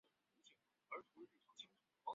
灰毛齿缘草是紫草科齿缘草属的植物。